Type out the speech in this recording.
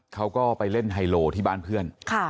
เขาก็ไปเล่นไฮโลที่บ้านเพื่อน